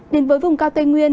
đến với vùng cao tây nguyên